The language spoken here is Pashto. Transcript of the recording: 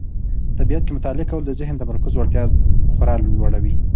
په طبیعت کې مطالعه کول د ذهن د تمرکز وړتیا خورا لوړوي.